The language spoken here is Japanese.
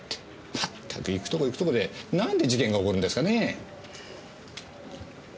まったく行くところ行くところで何で事件が起こるんですかねぇ？